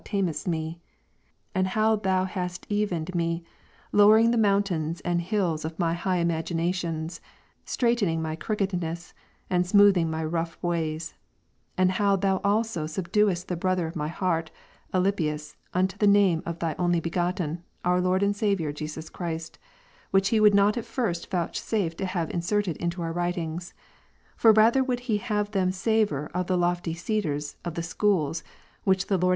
Ep. iii. xiv. ed. Ben. Effects of the Psalms on Aug, 161 mountains and hills of my high imaginations, straightening my crookedness, and smoothing my rough ivays ; and how Thou also subduedst the brother of my heart, Alypius, unto the Name of Thy Only Begotten, our Lord and Saviour Jesus Christ, which he would not at first vouchsafe to have in serted in our ^^Titings. For rather would he have them savour of the lofty cedars of the Schools, which the Lord Ps.